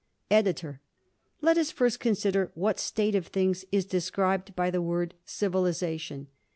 EDITOR: Let us first consider what state of things is described by the word "civilization."